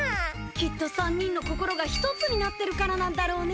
きっと３人の心が一つになってるからなんだろうね。